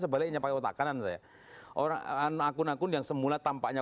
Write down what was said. sebaliknya pakai otak kanan saya orang anakun yang semula tampaknya dua